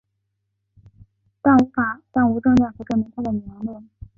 但无证件可证明她的年龄。